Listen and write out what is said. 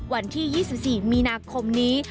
วันที่๒๔มีนาคมนี้